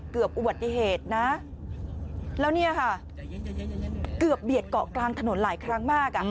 เกือบอุบัติเหตุนะแล้วเนี่ยค่ะเกือบเบียดเกาะกลางถนนหลายครั้งมากอ่ะ